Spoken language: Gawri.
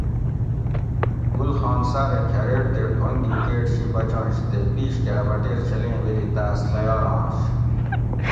گل خان ساۤرہ کھاۤریٹ تے ٹھونگ گھی کیٹ شی بچنش تے پِیش کہ ا بٹیر شلیں ویلی تاۤس ڷیارانش